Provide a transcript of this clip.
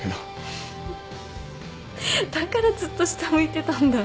だからずっと下向いてたんだ。